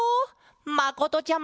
まことちゃま！